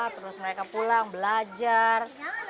terus mereka pulang belajar